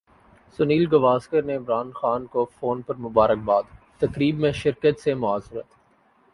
سنیل گواسکر کی عمران خان کو فون پر مبارکبادتقریب میں شرکت سے معذرت